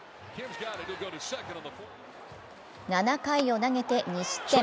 ７回を投げて２失点。